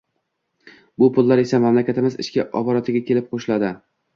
Bu pullar esa mamlakatimiz ichki oborotiga kelib qoʻshiladi.